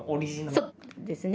そうなんですね。